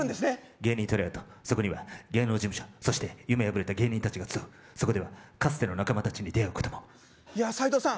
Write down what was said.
そこには芸能事務所そして夢破れた芸人達が集うそこではかつての仲間達に出会うこともいやあ斎藤さん